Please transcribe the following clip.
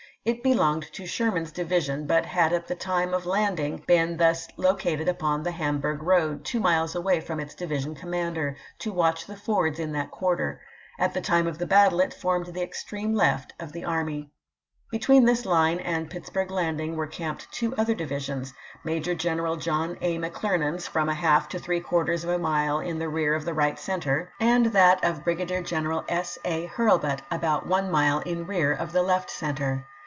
It belonged to Sherman's division, but had at the time of landing been thus located upon the Ham burg road, two miles away from its division com mander, to watch the fords in that quarter ; at the time of the battle it formed the extreme left of the army. Between this front line and Pittsburg Land ing were camped two other divisions: Major General John A. McClernand's from a half to three quarters of a mile in the rear of the right center, and that 324 ABKiHAM LINCOLN ch. XVIII. of Brigadier General S. A. Hurlbut about one mile iu rear of the left center.